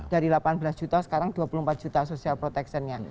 dari delapan belas juta sekarang dua puluh empat juta social protection nya